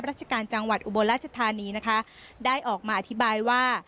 ราชการจังหวัดอุบลราชธานีนะคะได้ออกมาอธิบายว่า